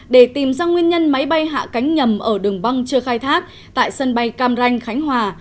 để tìm ra nguyên nhân máy bay hạ cánh nhầm ở đường băng chưa khai thác tại sân bay cam ranh khánh hòa